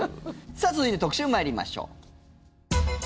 さあ続いて、特集参りましょう。